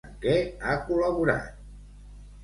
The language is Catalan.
En què ha col·laborat?